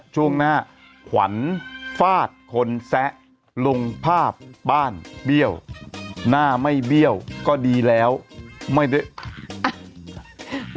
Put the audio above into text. ช่วงหน้าขวัญฟาดคนแซะลงภาพบ้านเบี้ยวหน้าไม่เบี้ยวก็ดีแล้วไม่ได้